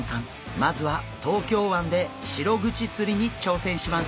まずは東京湾でシログチ釣りに挑戦します！